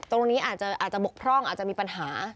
ตรงนี้อาจจะบกพร่องอาจจะมีปัญหา